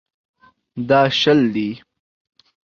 دا شل دي.